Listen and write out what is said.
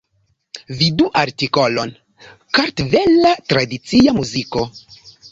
Vidu artikolon Kartvela tradicia muziko.